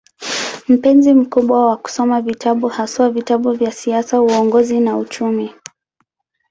Mpenzi mkubwa wa kusoma vitabu, haswa vitabu vya siasa, uongozi na uchumi.